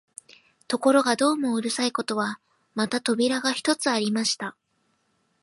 ところがどうもうるさいことは、また扉が一つありました